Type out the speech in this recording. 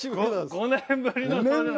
５年ぶりの登場。